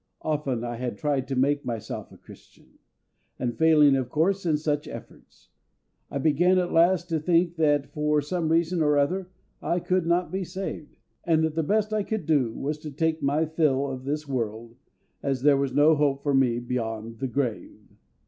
Often I had tried to make myself a Christian; and failing of course in such efforts, I began at last to think that for some reason or other I could not be saved, and that the best I could do was to take my fill of this world, as there was no hope for me beyond the grave.